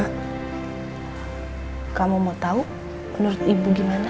hai kamu mau tahu menurut ibu gimana